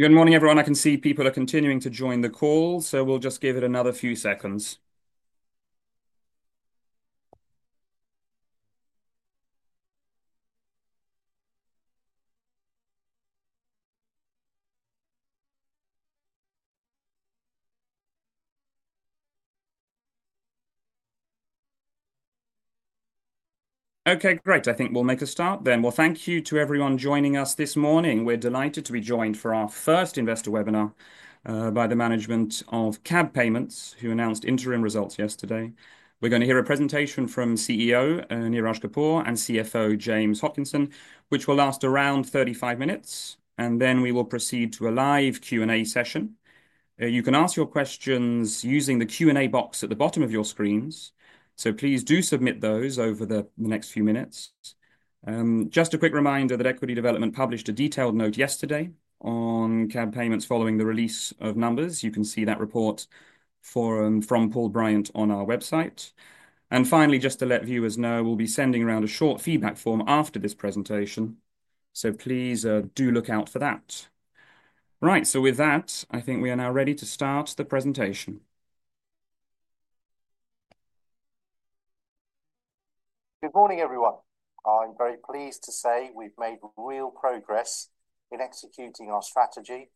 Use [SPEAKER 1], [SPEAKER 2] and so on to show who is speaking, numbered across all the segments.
[SPEAKER 1] Good morning, everyone. I can see people are continuing to join the call, so we'll just give it another few seconds. Okay, great. I think we'll make a start then. Thank you to everyone joining us this morning. We're delighted to be joined for our first investor webinar by the management of CAB Payments Holdings PLC, who announced interim results yesterday. We're going to hear a presentation from CEO Neeraj Kapur and CFO James Hopkinson, which will last around 35 minutes, and then we will proceed to a live Q&A session. You can ask your questions using the Q&A box at the bottom of your screens, so please do submit those over the next few minutes. Just a quick reminder that Equity Development published a detailed note yesterday on CAB Payments Holdings PLC following the release of numbers. You can see that report from Paul Bryant on our website. Finally, just to let viewers know, we'll be sending around a short feedback form after this presentation, so please do look out for that. Right, with that, I think we are now ready to start the presentation.
[SPEAKER 2] Good morning, everyone. I'm very pleased to say we've made real progress in executing our strategy,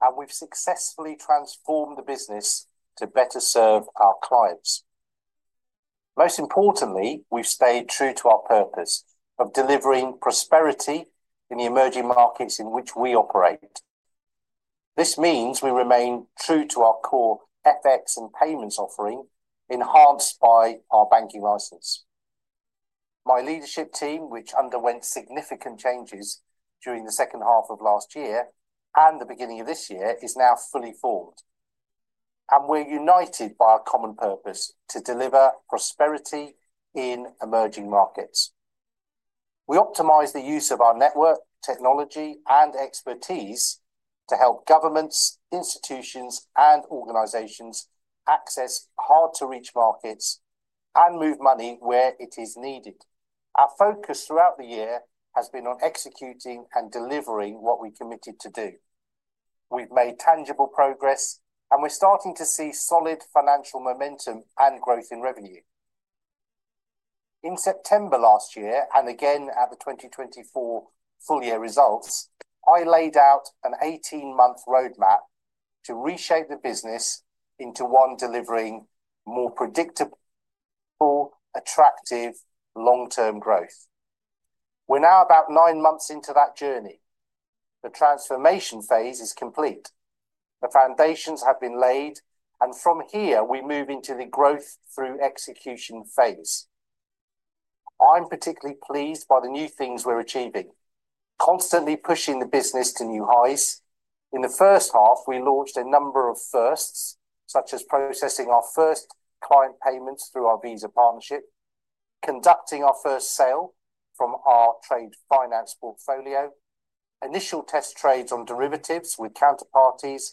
[SPEAKER 2] and we've successfully transformed the business to better serve our clients. Most importantly, we've stayed true to our purpose of delivering prosperity in the emerging markets in which we operate. This means we remain true to our core FX and payments offering, enhanced by our banking license. My leadership team, which underwent significant changes during the second half of last year and the beginning of this year, is now fully formed, and we're united by a common purpose: to deliver prosperity in emerging markets. We optimize the use of our network, technology, and expertise to help governments, institutions, and organizations access hard-to-reach markets and move money where it is needed. Our focus throughout the year has been on executing and delivering what we committed to do. We've made tangible progress, and we're starting to see solid financial momentum and growth in revenue. In September last year, and again at the 2024 full-year results, I laid out an 18-month roadmap to reshape the business into one delivering more predictable, attractive, long-term growth. We're now about nine months into that journey. The transformation phase is complete. The foundations have been laid, and from here, we move into the growth-through-execution phase. I'm particularly pleased by the new things we're achieving, constantly pushing the business to new heights. In the first half, we launched a number of firsts, such as processing our first client payments through our Visa partnership, conducting our first sale from our trade finance portfolio, initial test trades on derivatives with counterparties,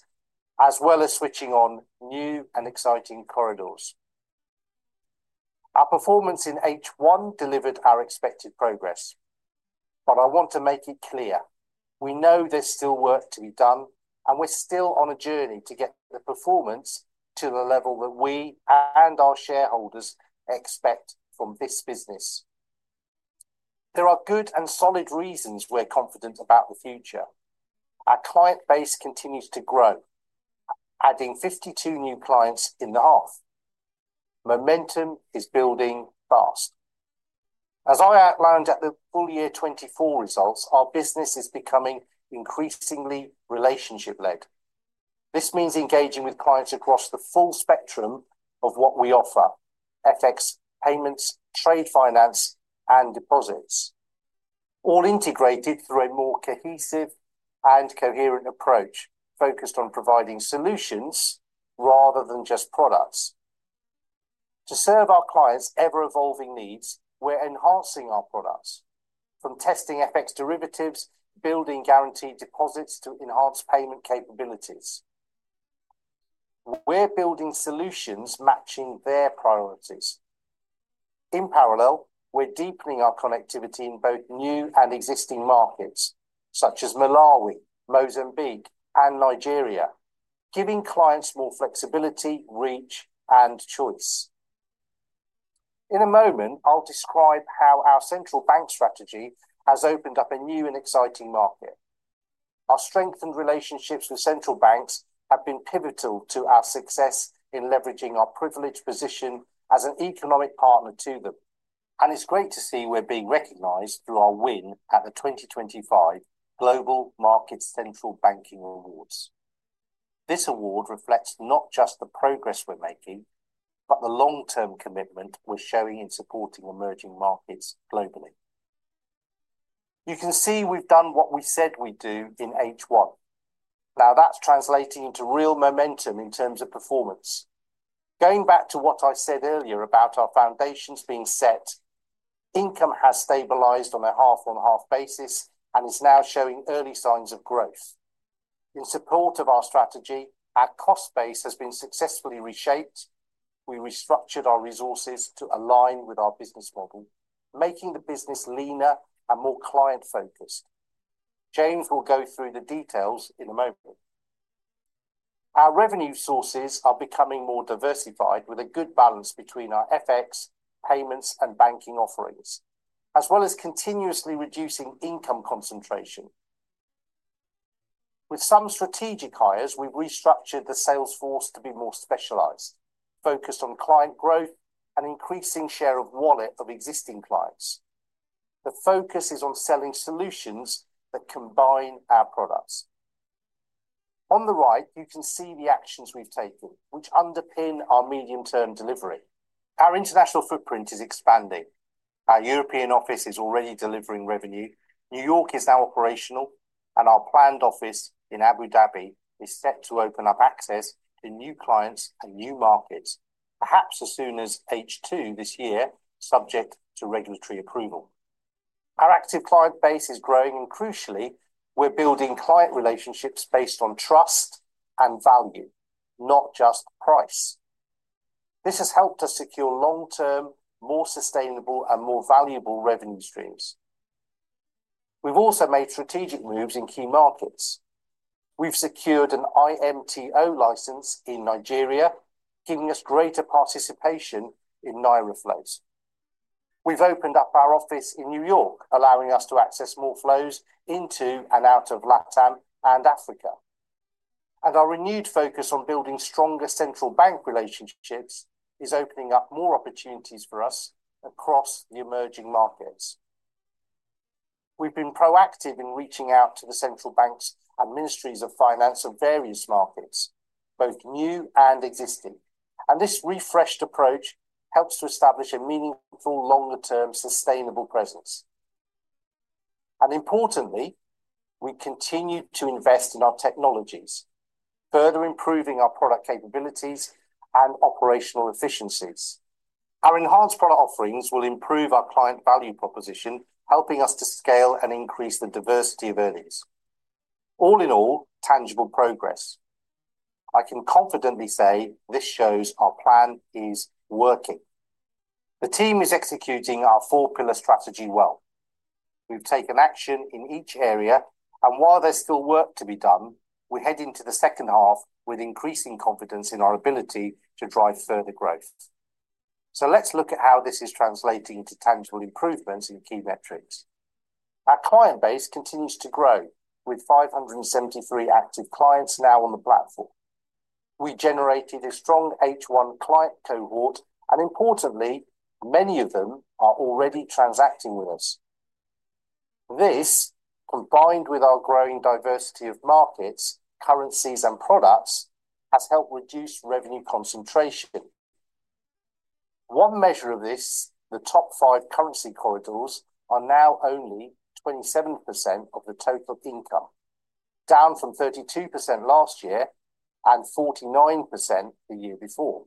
[SPEAKER 2] as well as switching on new and exciting corridors. Our performance in H1 delivered our expected progress. I want to make it clear: we know there's still work to be done, and we're still on a journey to get the performance to the level that we and our shareholders expect from this business. There are good and solid reasons we're confident about the future. Our client base continues to grow, adding 52 new clients in the half. Momentum is building fast. As I outlined at the full-year 2024 results, our business is becoming increasingly relationship-led. This means engaging with clients across the full spectrum of what we offer: FX, payments, trade finance, and deposits, all integrated through a more cohesive and coherent approach focused on providing solutions rather than just products. To serve our clients' ever-evolving needs, we're enhancing our products, from testing FX derivatives, building guaranteed deposits, to enhanced payment capabilities. We're building solutions matching their priorities. In parallel, we're deepening our connectivity in both new and existing markets, such as Malawi, Mozambique, and Nigeria, giving clients more flexibility, reach, and choice. In a moment, I'll describe how our central bank strategy has opened up a new and exciting market. Our strengthened relationships with central banks have been pivotal to our success in leveraging our privileged position as an economic partner to them, and it's great to see we're being recognized through our win at the 2025 Global Markets Central Banking Awards. This award reflects not just the progress we're making, but the long-term commitment we're showing in supporting emerging markets globally. You can see we've done what we said we'd do in H1. Now that's translating into real momentum in terms of performance. Going back to what I said earlier about our foundations being set, income has stabilized on a half-on-half basis and is now showing early signs of growth. In support of our strategy, our cost base has been successfully reshaped. We restructured our resources to align with our business model, making the business leaner and more client-focused. James will go through the details in a moment. Our revenue sources are becoming more diversified, with a good balance between our FX, payments, and banking offerings, as well as continuously reducing income concentration. With some strategic hires, we've restructured the sales force to be more specialized, focused on client growth and increasing share of wallet of existing clients. The focus is on selling solutions that combine our products. On the right, you can see the actions we've taken, which underpin our medium-term delivery. Our international footprint is expanding. Our European office is already delivering revenue, New York is now operational, and our planned office in Abu Dhabi is set to open up access to new clients and new markets, perhaps as soon as H2 this year, subject to regulatory approval. Our active client base is growing, and crucially, we're building client relationships based on trust and value, not just price. This has helped us secure long-term, more sustainable, and more valuable revenue streams. We've also made strategic moves in key markets. We've secured an IMTO license in Nigeria, giving us greater participation in Naira flows. We've opened up our office in New York, allowing us to access more flows into and out of LATAM and Africa. Our renewed focus on building stronger central bank relationships is opening up more opportunities for us across the emerging markets. We've been proactive in reaching out to the central banks and ministries of finance of various markets, both new and existing, and this refreshed approach helps to establish a meaningful, longer-term, sustainable presence. Importantly, we continue to invest in our technologies, further improving our product capabilities and operational efficiencies. Our enhanced product offerings will improve our client value proposition, helping us to scale and increase the diversity of earnings. All in all, tangible progress. I can confidently say this shows our plan is working. The team is executing our four-pillar strategy well. We've taken action in each area, and while there's still work to be done, we're heading to the second half with increasing confidence in our ability to drive further growth. Let's look at how this is translating to tangible improvements in key metrics. Our client base continues to grow, with 573 active clients now on the platform. We generated a strong H1 client cohort, and importantly, many of them are already transacting with us. This, combined with our growing diversity of markets, currencies, and products, has helped reduce revenue concentration. One measure of this, the top five currency corridors are now only 27% of the total income, down from 32% last year and 49% the year before.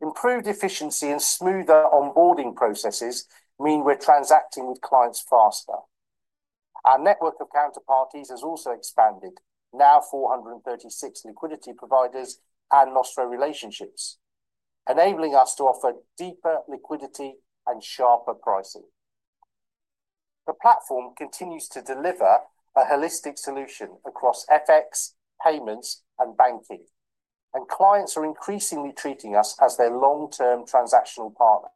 [SPEAKER 2] Improved efficiency and smoother onboarding processes mean we're transacting with clients faster. Our network of counterparties has also expanded, now 436 liquidity providers and Nostro relationships, enabling us to offer deeper liquidity and sharper pricing. The platform continues to deliver a holistic solution across FX, payments, and banking, and clients are increasingly treating us as their long-term transactional partner.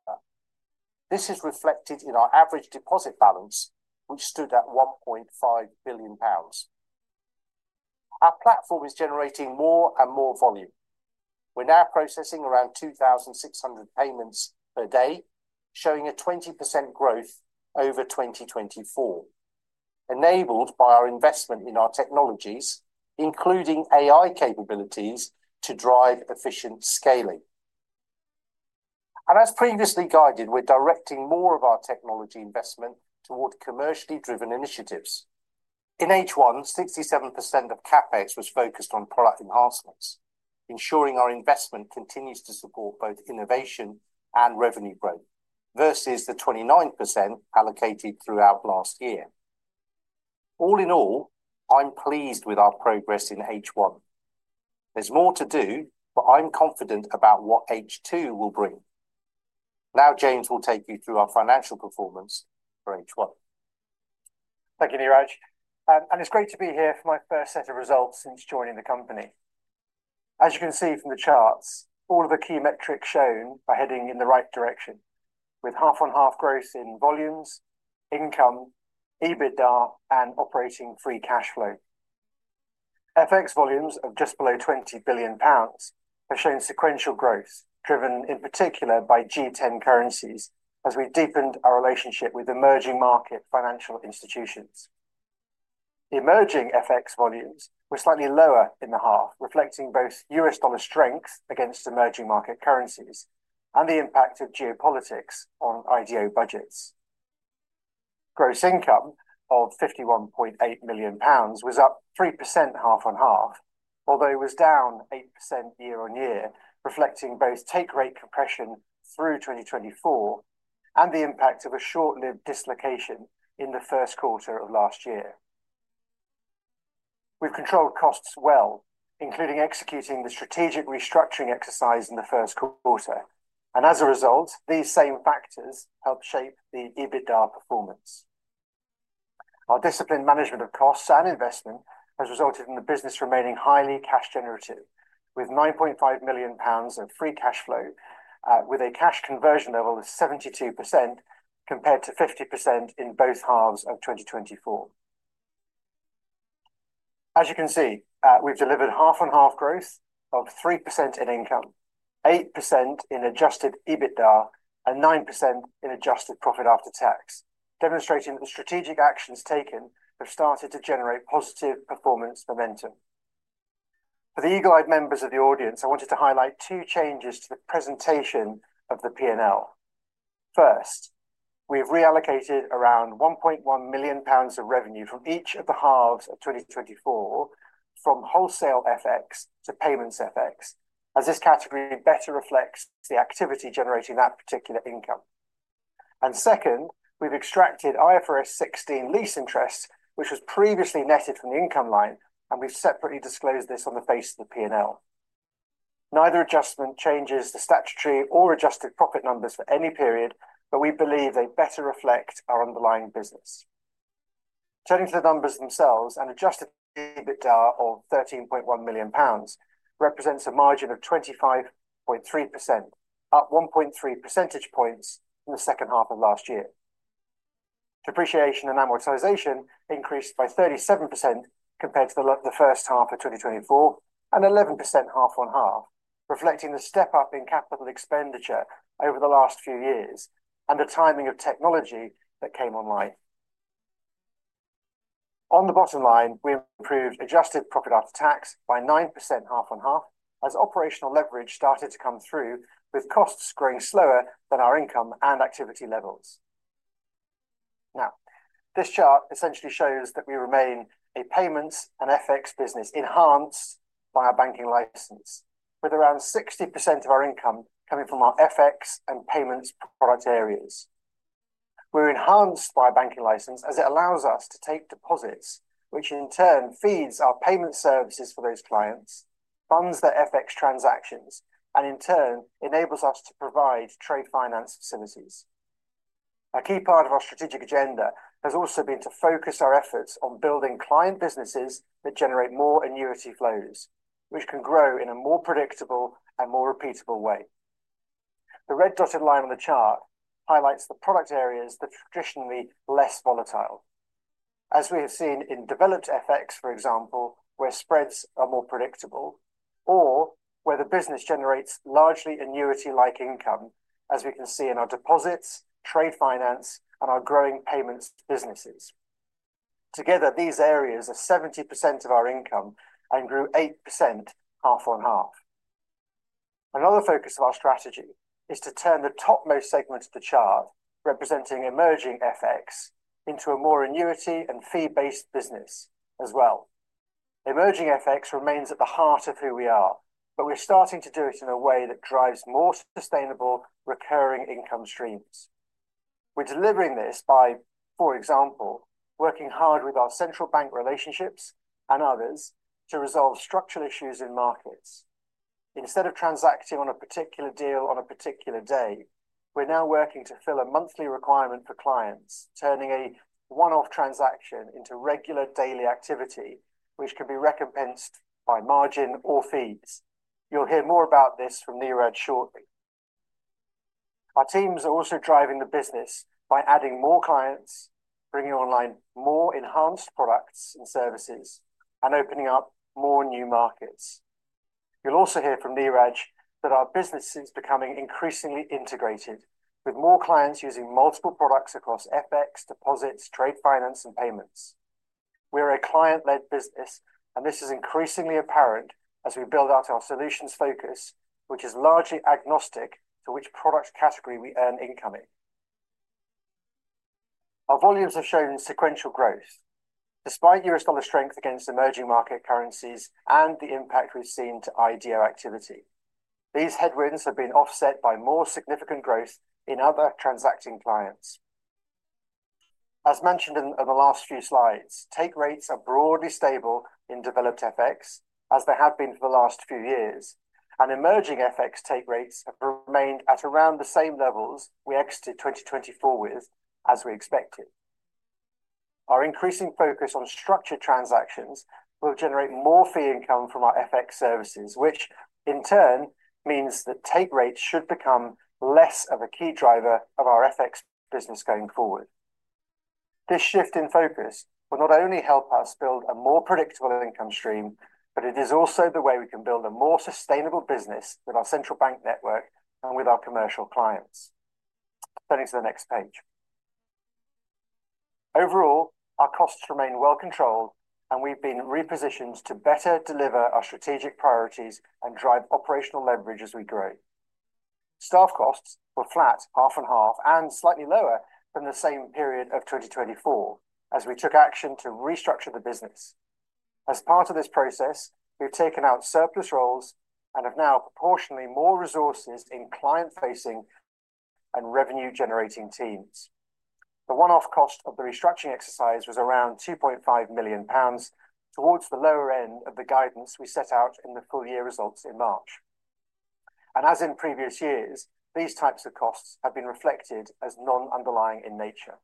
[SPEAKER 2] This is reflected in our average deposit balance, which stood at 1.5 billion pounds. Our platform is generating more and more volume. We're now processing around 2,600 payments per day, showing a 20% growth over 2024, enabled by our investment in our technologies, including AI capabilities to drive efficient scaling. As previously guided, we're directing more of our technology investment toward commercially driven initiatives. In H1, 67% of CapEx was focused on product enhancements, ensuring our investment continues to support both innovation and revenue growth, versus the 29% allocated throughout last year. All in all, I'm pleased with our progress in H1. There's more to do, but I'm confident about what H2 will bring. Now, James will take you through our financial performance for H1.
[SPEAKER 3] Thank you, Neeraj. It's great to be here for my first set of results since joining the company. As you can see from the charts, all of the key metrics shown are heading in the right direction, with half-on-half growth in volumes, income, EBITDA, and operating free cash flow. FX volumes of just below £20 billion have shown sequential growth, driven in particular by G10 currencies, as we've deepened our relationship with emerging market financial institutions. Emerging FX volumes were slightly lower in the half, reflecting both U.S. dollar strength against emerging market currencies and the impact of geopolitics on IDO budgets. Gross income of £51.8 million was up 3% half on half, although it was down 8% year on year, reflecting both take rate compression through 2024 and the impact of a short-lived dislocation in the first quarter of last year. We've controlled costs well, including executing the strategic restructuring exercise in the first quarter, and as a result, these same factors help shape the EBITDA performance. Our disciplined management of costs and investment has resulted in the business remaining highly cash generative, with £9.5 million of free cash flow, with a cash conversion of almost 72% compared to 50% in both halves of 2024. As you can see, we've delivered half on half growth of 3% in income, 8% in adjusted EBITDA, and 9% in adjusted profit after tax, demonstrating that the strategic actions taken have started to generate positive performance momentum. For the eagle-eyed members of the audience, I wanted to highlight two changes to the presentation of the P&L. First, we've reallocated around 1.1 million pounds of revenue from each of the halves of 2024, from wholesale FX to payments FX, as this category better reflects the activity generating that particular income. Second, we've extracted IFRS 16 lease interest, which was previously netted from the income line, and we've separately disclosed this on the face of the P&L. Neither adjustment changes the statutory or adjusted profit numbers for any period, but we believe they better reflect our underlying business. Turning to the numbers themselves, an adjusted EBITDA of 13.1 million pounds represents a margin of 25.3%, up 1.3 percentage points in the second half of last year. Depreciation and amortization increased by 37% compared to the first half of 2024 and 11% half on half, reflecting the step up in capital expenditure over the last few years and the timing of technology that came online. On the bottom line, we improved adjusted profit after tax by 9% half on half, as operational leverage started to come through, with costs growing slower than our income and activity levels. This chart essentially shows that we remain a payments and FX business enhanced by our banking license, with around 60% of our income coming from our FX and payments product areas. We're enhanced by a banking license as it allows us to take deposits, which in turn feeds our payment services for those clients, funds their FX transactions, and in turn enables us to provide trade finance facilities. A key part of our strategic agenda has also been to focus our efforts on building client businesses that generate more annuity flows, which can grow in a more predictable and more repeatable way. The red-dotted line on the chart highlights the product areas that are traditionally less volatile, as we have seen in developed FX, for example, where spreads are more predictable or where the business generates largely annuity-like income, as we can see in our deposits, trade finance, and our growing payments businesses. Together, these areas are 70% of our income and grew 8% half on half. Another focus of our strategy is to turn the topmost segment of the chart, representing emerging FX, into a more annuity and fee-based business as well. Emerging FX remains at the heart of who we are, but we're starting to do it in a way that drives more sustainable, recurring income streams. We're delivering this by, for example, working hard with our central bank relationships and others to resolve structural issues in markets. Instead of transacting on a particular deal on a particular day, we're now working to fill a monthly requirement for clients, turning a one-off transaction into regular daily activity, which can be recompensed by margin or fees. You'll hear more about this from Neeraj shortly. Our teams are also driving the business by adding more clients, bringing online more enhanced products and services, and opening up more new markets. You'll also hear from Neeraj that our business is becoming increasingly integrated, with more clients using multiple products across FX, deposits, trade finance, and payments. We're a client-led business, and this is increasingly apparent as we build out our solutions focus, which is largely agnostic to which product category we earn income in. Our volumes have shown sequential growth, despite U.S. dollar strength against emerging market currencies and the impact we've seen to IDO activity. These headwinds have been offset by more significant growth in other transacting clients. As mentioned in the last few slides, take rates are broadly stable in developed FX, as they have been for the last few years, and emerging FX take rates have remained at around the same levels we exited 2024 with, as we expected. Our increasing focus on structured transactions will generate more fee income from our FX services, which in turn means that take rates should become less of a key driver of our FX business going forward. This shift in focus will not only help us build a more predictable income stream, but it is also the way we can build a more sustainable business with our central bank network and with our commercial clients. Turning to the next page. Overall, our costs remain well controlled, and we've been repositioned to better deliver our strategic priorities and drive operational leverage as we grow. Staff costs were flat, half on half, and slightly lower than the same period of 2024, as we took action to restructure the business. As part of this process, we've taken out surplus roles and have now proportionately more resources in client-facing and revenue-generating teams. The one-off cost of the restructuring exercise was around 2.5 million pounds, towards the lower end of the guidance we set out in the full-year results in March. As in previous years, these types of costs have been reflected as non-underlying in nature.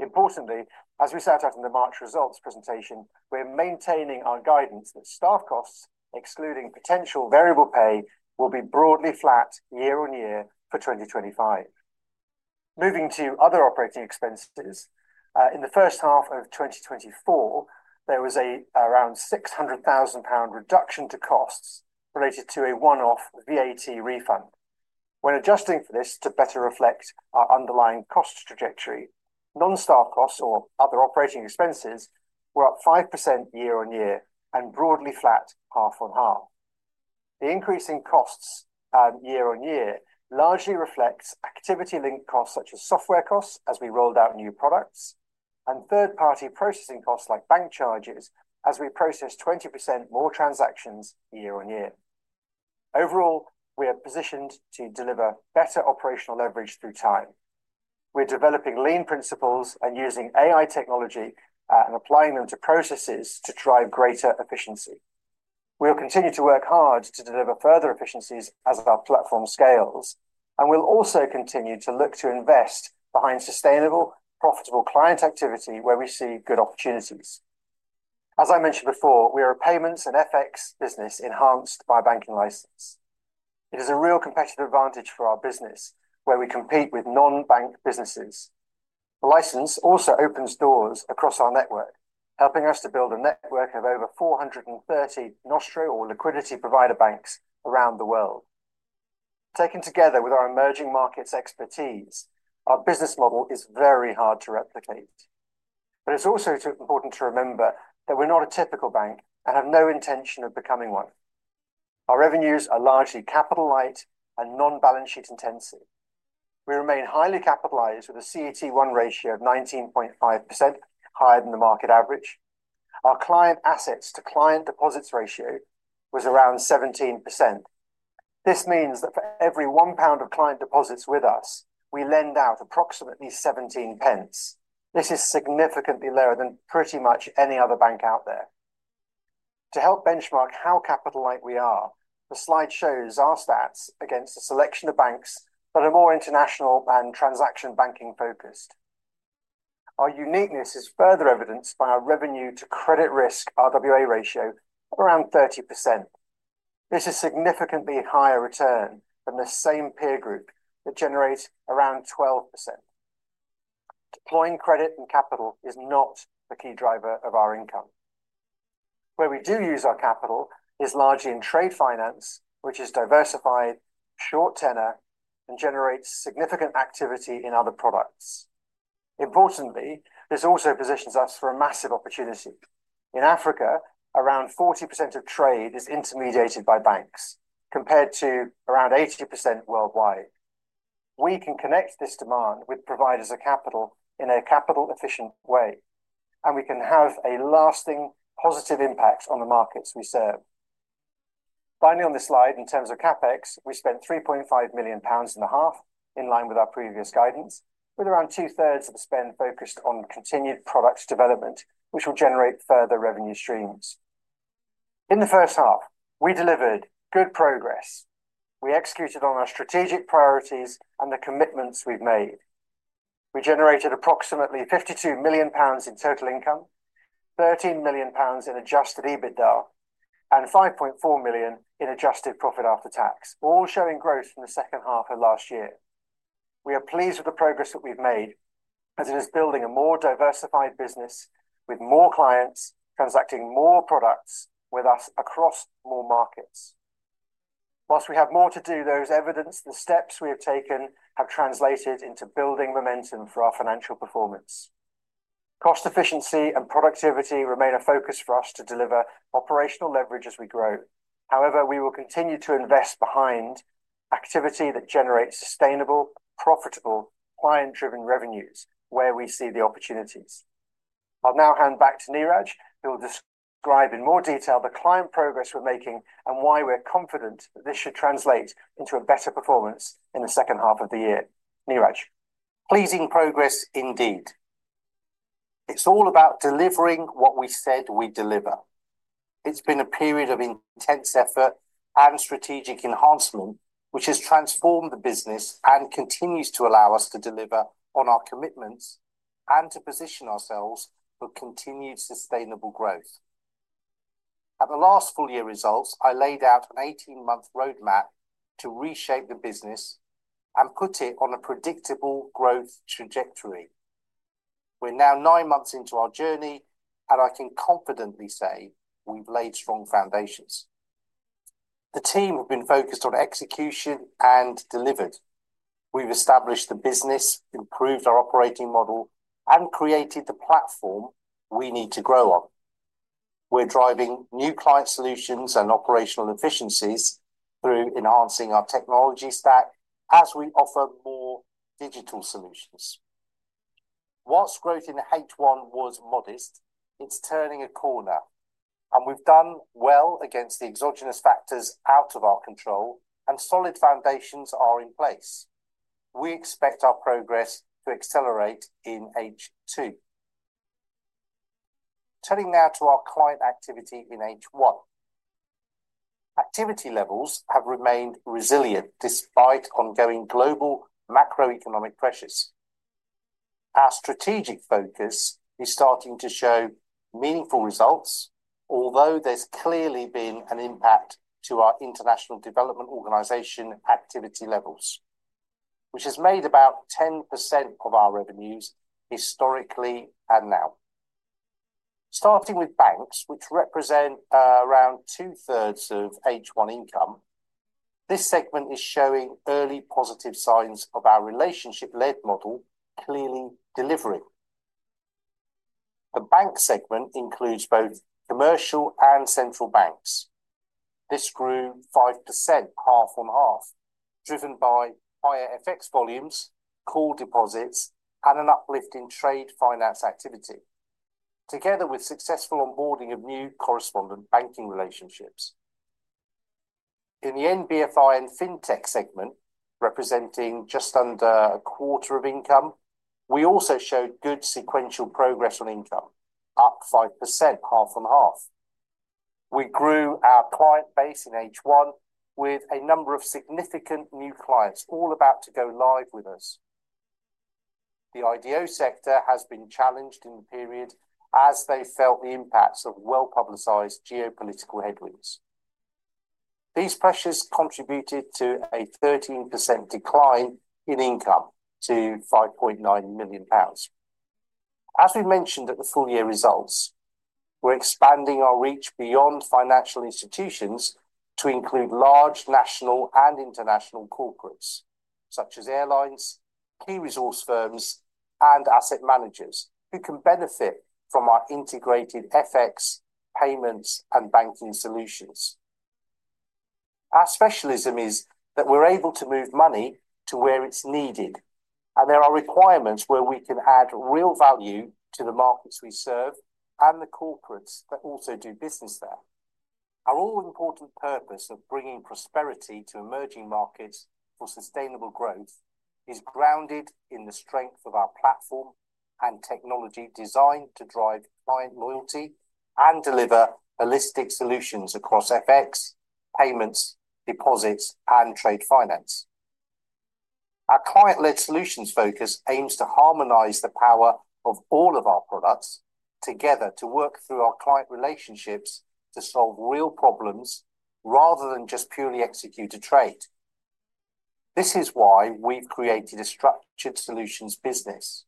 [SPEAKER 3] Importantly, as we set out in the March results presentation, we're maintaining our guidance that staff costs, excluding potential variable pay, will be broadly flat year on year for 2025. Moving to other operating expenses, in the first half of 2024, there was around 600,000 pound reduction to costs related to a one-off VAT refund. When adjusting for this to better reflect our underlying cost trajectory, non-staff costs or other operating expenses were up 5% year on year and broadly flat half on half. The increase in costs year on year largely reflects activity-linked costs such as software costs as we rolled out new products, and third-party processing costs like bank charges as we processed 20% more transactions year on year. Overall, we are positioned to deliver better operational leverage through time. We're developing lean principles and using AI technology and applying them to processes to drive greater efficiency. We'll continue to work hard to deliver further efficiencies as our platform scales, and we'll also continue to look to invest behind sustainable, profitable client activity where we see good opportunities. As I mentioned before, we are a payments and FX business enhanced by a banking license. It is a real competitive advantage for our business, where we compete with non-bank businesses. The license also opens doors across our network, helping us to build a network of over 430 Nostro or liquidity provider banks around the world. Taken together with our emerging markets expertise, our business model is very hard to replicate. It's also important to remember that we're not a typical bank and have no intention of becoming one. Our revenues are largely capital light and non-balance sheet intensive. We remain highly capitalized with a CET1 ratio of 19.5%, higher than the market average. Our client assets to client deposits ratio was around 17%. This means that for every £1 of client deposits with us, we lend out approximately £0.17. This is significantly lower than pretty much any other bank out there. To help benchmark how capital-light we are, the slide shows our stats against a selection of banks that are more international and transaction banking focused. Our uniqueness is further evidenced by our revenue to credit risk RWA ratio of around 30%. This is a significantly higher return than the same peer group that generates around 12%. Deploying credit and capital is not the key driver of our income. Where we do use our capital is largely in trade finance, which is diversified, short tenor, and generates significant activity in other products. Importantly, this also positions us for a massive opportunity. In Africa, around 40% of trade is intermediated by banks, compared to around 80% worldwide. We can connect this demand with providers of capital in a capital-efficient way, and we can have a lasting positive impact on the markets we serve. Finally, on this slide, in terms of CapEx, we spent £3.5 million in the half, in line with our previous guidance, with around two-thirds of the spend focused on continued product development, which will generate further revenue streams. In the first half, we delivered good progress. We executed on our strategic priorities and the commitments we've made. We generated approximately £52 million in total income, £13 million in adjusted EBITDA, and £5.4 million in adjusted profit after tax, all showing growth in the second half of last year. We are pleased with the progress that we've made, as it is building a more diversified business with more clients transacting more products with us across more markets. Whilst we have more to do, those evidence the steps we have taken have translated into building momentum for our financial performance. Cost efficiency and productivity remain a focus for us to deliver operational leverage as we grow. However, we will continue to invest behind activity that generates sustainable, profitable, client-driven revenues where we see the opportunities. I'll now hand back to Neeraj, who will describe in more detail the client progress we're making and why we're confident that this should translate into a better performance in the second half of the year. Neeraj.
[SPEAKER 2] Pleasing progress indeed. It's all about delivering what we said we'd deliver. It's been a period of intense effort and strategic enhancement, which has transformed the business and continues to allow us to deliver on our commitments and to position ourselves for continued sustainable growth. At the last full-year results, I laid out an 18-month roadmap to reshape the business and put it on a predictable growth trajectory. We're now nine months into our journey, and I can confidently say we've laid strong foundations. The team have been focused on execution and delivered. We've established the business, improved our operating model, and created the platform we need to grow on. We're driving new client solutions and operational efficiencies through enhancing our technology stack as we offer more digital solutions. Whilst growth in H1 was modest, it's turning a corner, and we've done well against the exogenous factors out of our control, and solid foundations are in place. We expect our progress to accelerate in H2. Turning now to our client activity in H1, activity levels have remained resilient despite ongoing global macroeconomic pressures. Our strategic focus is starting to show meaningful results, although there's clearly been an impact to our International Development Organization activity levels, which has made about 10% of our revenues historically and now. Starting with banks, which represent around two-thirds of H1 income, this segment is showing early positive signs of our relationship-led model clearly delivering. The bank segment includes both commercial and central banks. This grew 5% half on half, driven by higher FX volumes, core deposits, and an uplift in trade finance activity, together with successful onboarding of new correspondent banking relationships. In the NBFIN FinTech segment, representing just under a quarter of income, we also showed good sequential progress on income, up 5% half on half. We grew our client base in H1 with a number of significant new clients all about to go live with us. The IDO sector has been challenged in the period as they felt the impacts of well-publicized geopolitical headwinds. These pressures contributed to a 13% decline in income to £5.9 million. As we mentioned at the full-year results, we're expanding our reach beyond financial institutions to include large national and international corporates, such as airlines, key resource firms, and asset managers who can benefit from our integrated FX, payments, and banking solutions. Our specialism is that we're able to move money to where it's needed, and there are requirements where we can add real value to the markets we serve and the corporates that also do business there. Our all-important purpose of bringing prosperity to emerging markets for sustainable growth is grounded in the strength of our platform and technology designed to drive client loyalty and deliver holistic solutions across FX, payments, deposits, and trade finance. Our client-led solutions focus aims to harmonize the power of all of our products together to work through our client relationships to solve real problems rather than just purely execute a trade. This is why we've created a structured solutions business.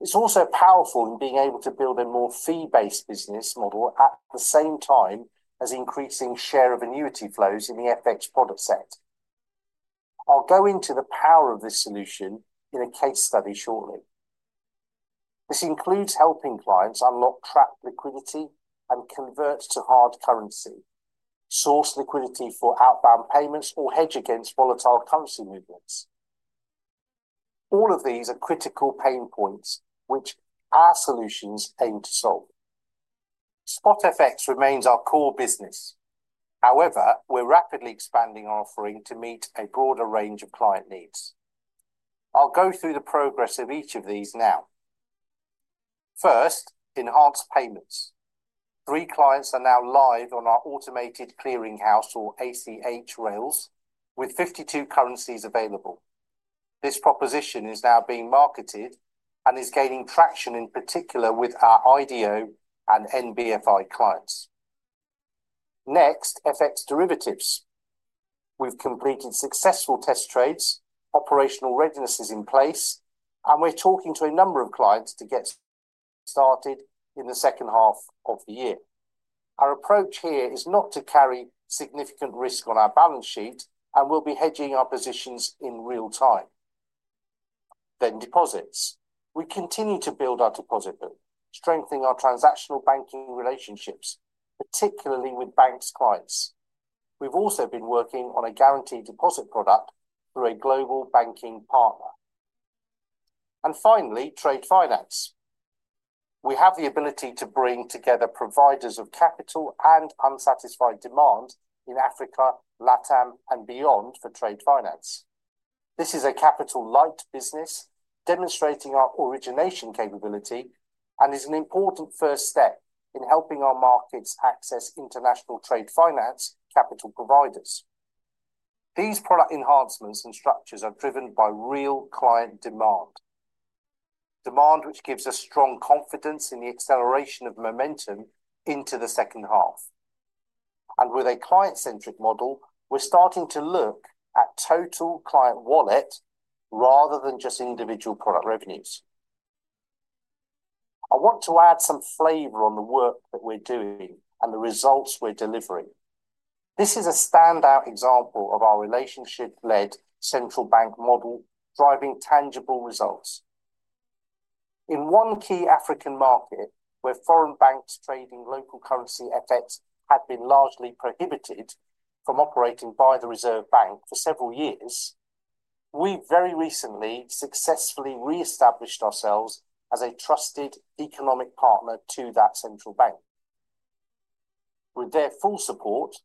[SPEAKER 2] It's also powerful in being able to build a more fee-based business model at the same time as increasing share of annuity flows in the FX product set. I'll go into the power of this solution in a case study shortly. This includes helping clients unlock trapped liquidity and convert to hard currency, source liquidity for outbound payments, or hedge against volatile currency movements. All of these are critical pain points which our solutions aim to solve. Spot FX remains our core business. However, we're rapidly expanding our offering to meet a broader range of client needs. I'll go through the progress of each of these now. First, enhanced payments. Three clients are now live on our automated clearinghouse, or ACH rails, with 52 currencies available. This proposition is now being marketed and is gaining traction in particular with our IDO and NBFI clients. Next, FX derivatives. We've completed successful test trades, operational readiness is in place, and we're talking to a number of clients to get started in the second half of the year. Our approach here is not to carry significant risk on our balance sheet, and we'll be hedging our positions in real time. Deposits. We continue to build our deposit booth, strengthening our transactional banking relationships, particularly with banks clients. We've also been working on a guaranteed deposit product through a global banking partner. Finally, trade finance. We have the ability to bring together providers of capital and unsatisfied demand in Africa, LATAM, and beyond for trade finance. This is a capital-light business, demonstrating our origination capability, and is an important first step in helping our markets access international trade finance capital providers. These product enhancements and structures are driven by real client demand, demand which gives us strong confidence in the acceleration of momentum into the second half. With a client-centric model, we're starting to look at total client wallet rather than just individual product revenues. I want to add some flavor on the work that we're doing and the results we're delivering. This is a standout example of our relationship-led central bank model driving tangible results. In one key African market where foreign banks trading local currency FX had been largely prohibited from operating by the Reserve Bank for several years, we very recently successfully reestablished ourselves as a trusted economic partner to that central bank. With their full support,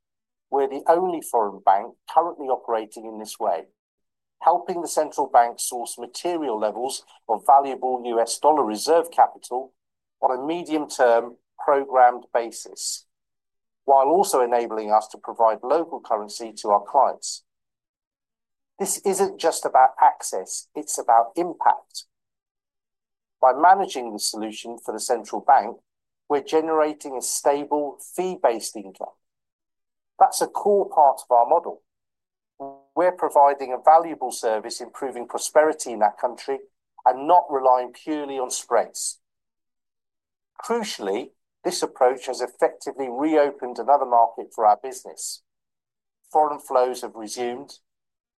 [SPEAKER 2] we're the only foreign bank currently operating in this way, helping the central bank source material levels of valuable U.S. dollar reserve capital on a medium-term programmed basis, while also enabling us to provide local currency to our clients. This isn't just about access; it's about impact. By managing the solution for the central bank, we're generating a stable fee-based income. That's a core part of our model. We're providing a valuable service, improving prosperity in that country, and not relying purely on spreads. Crucially, this approach has effectively reopened another market for our business. Foreign flows have resumed.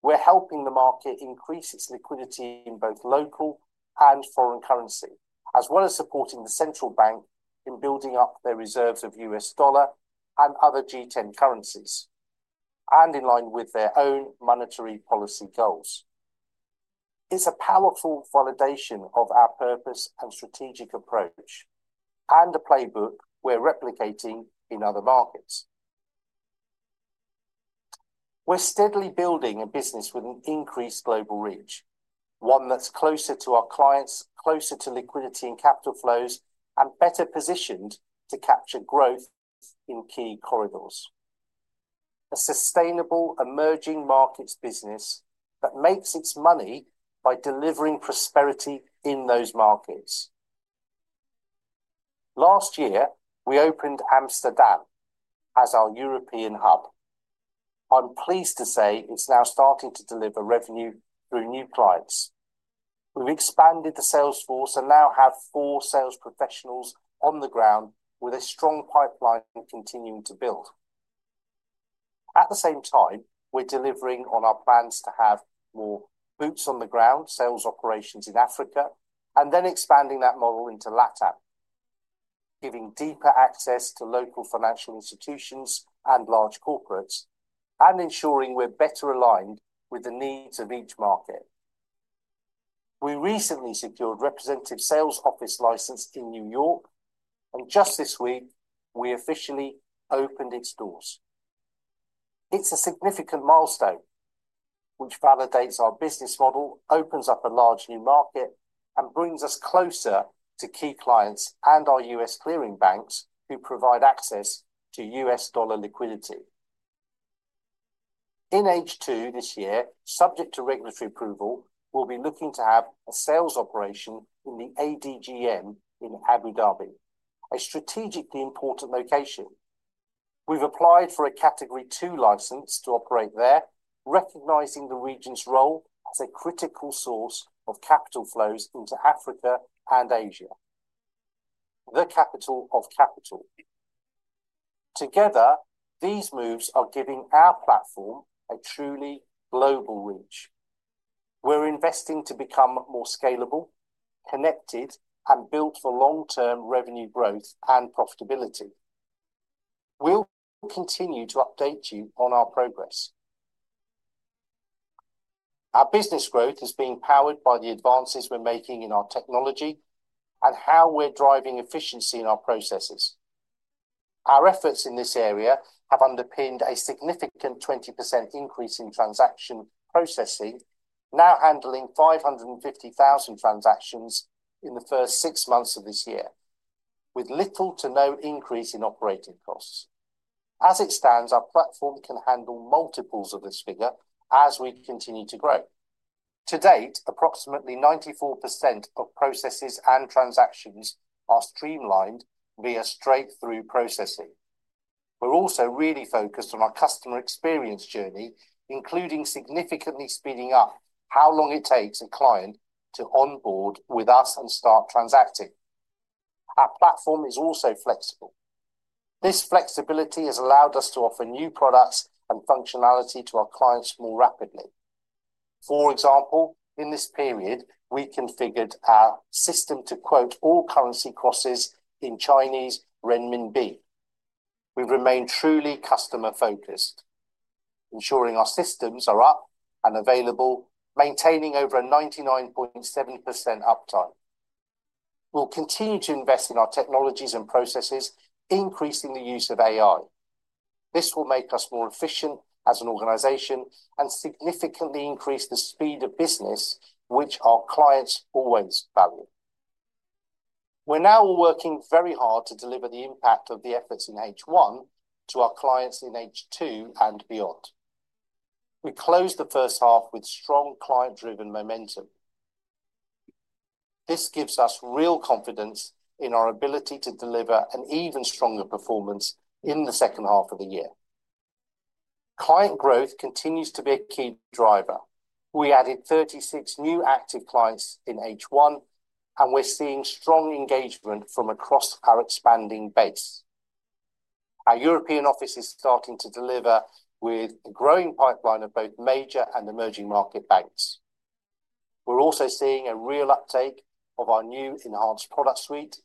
[SPEAKER 2] We're helping the market increase its liquidity in both local and foreign currency, as well as supporting the central bank in building up their reserves of U.S. dollar and other G10 currencies, and in line with their own monetary policy goals. It's a powerful validation of our purpose and strategic approach, and a playbook we're replicating in other markets. We're steadily building a business with an increased global reach, one that's closer to our clients, closer to liquidity and capital flows, and better positioned to capture growth in key corridors. A sustainable emerging markets business that makes its money by delivering prosperity in those markets. Last year, we opened Amsterdam as our European hub. I'm pleased to say it's now starting to deliver revenue through new clients. We've expanded the sales force and now have four sales professionals on the ground, with a strong pipeline continuing to build. At the same time, we're delivering on our plans to have more boots on the ground sales operations in Africa, and then expanding that model into LATAM, giving deeper access to local financial institutions and large corporates, and ensuring we're better aligned with the needs of each market. We recently secured a representative sales office license in New York, and just this week, we officially opened its doors. It's a significant milestone, which validates our business model, opens up a large new market, and brings us closer to key clients and our U.S. clearing banks who provide access to U.S. dollar liquidity. In H2 this year, subject to regulatory approval, we'll be looking to have a sales operation in the ADGM in Abu Dhabi, a strategically important location. We've applied for a Category 2 license to operate there, recognizing the region's role as a critical source of capital flows into Africa and Asia. The capital of capital. Together, these moves are giving our platform a truly global reach. We're investing to become more scalable, connected, and built for long-term revenue growth and profitability. We'll continue to update you on our progress. Our business growth is being powered by the advances we're making in our technology and how we're driving efficiency in our processes. Our efforts in this area have underpinned a significant 20% increase in transaction processing, now handling 550,000 transactions in the first six months of this year, with little to no increase in operating costs. As it stands, our platform can handle multiples of this figure as we continue to grow. To date, approximately 94% of processes and transactions are streamlined via straight-through processing. We're also really focused on our customer experience journey, including significantly speeding up how long it takes a client to onboard with us and start transacting. Our platform is also flexible. This flexibility has allowed us to offer new products and functionality to our clients more rapidly. For example, in this period, we configured our system to quote all currency crosses in Chinese Renminbi. We've remained truly customer-focused, ensuring our systems are up and available, maintaining over a 99.7% uptime. We'll continue to invest in our technologies and processes, increasing the use of AI. This will make us more efficient as an organization and significantly increase the speed of business, which our clients always value. We're now working very hard to deliver the impact of the efforts in H1 to our clients in H2 and beyond. We closed the first half with strong client-driven momentum. This gives us real confidence in our ability to deliver an even stronger performance in the second half of the year. Client growth continues to be a key driver. We added 36 new active clients in H1, and we're seeing strong engagement from across our expanding base. Our European office is starting to deliver with a growing pipeline of both major and emerging market banks. We're also seeing a real uptake of our new enhanced product suite.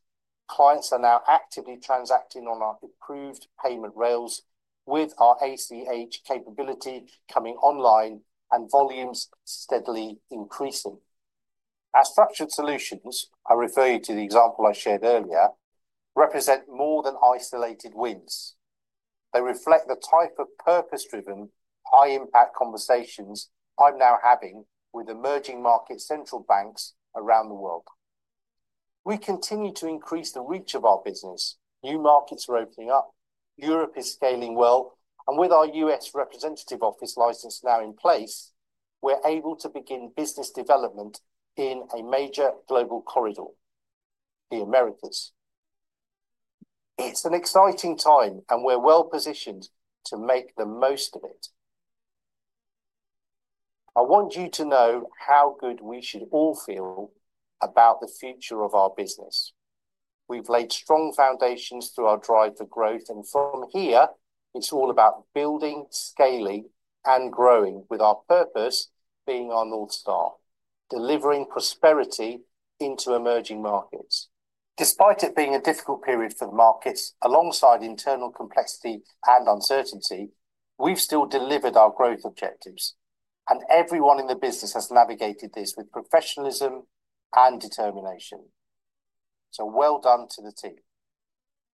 [SPEAKER 2] Clients are now actively transacting on our improved payment rails with our ACH capability coming online and volumes steadily increasing. Our structured solutions, I refer you to the example I shared earlier, represent more than isolated wins. They reflect the type of purpose-driven, high-impact conversations I'm now having with emerging market central banks around the world. We continue to increase the reach of our business. New markets are opening up. Europe is scaling well, and with our U.S. representative office license now in place, we're able to begin business development in a major global corridor, the Americas. It's an exciting time, and we're well positioned to make the most of it. I want you to know how good we should all feel about the future of our business. We've laid strong foundations through our drive for growth, and from here, it's all about building, scaling, and growing, with our purpose being our North Star, delivering prosperity into emerging markets. Despite it being a difficult period for the markets, alongside internal complexity and uncertainty, we've still delivered our growth objectives, and everyone in the business has navigated this with professionalism and determination. Well done to the team.